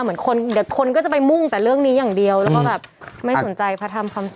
เหมือนคนเดี๋ยวคนก็จะไปมุ่งแต่เรื่องนี้อย่างเดียวแล้วก็แบบไม่สนใจพระธรรมคำ